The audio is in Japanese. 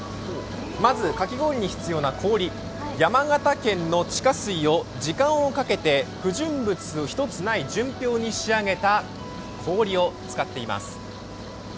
まず、かき氷に必要な氷は山形県の地下水を時間をかけて不純物一つない純氷に仕上げた氷を使っています。